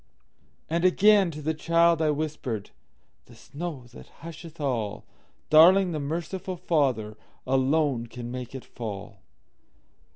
And again to the child I whispered,"The snow that husheth all, Darling, the merciful FatherAlone can make it fall!"